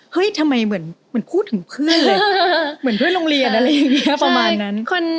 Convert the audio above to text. ทำไมเหมือนพูดถึงเพื่อนเลยเหมือนเพื่อนโรงเรียนอะไรอย่างนี้ประมาณนั้น